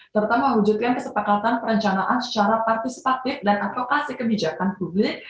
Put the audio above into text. terutama mewujudkan kesepakatan perencanaan secara partisipatif dan advokasi kebijakan publik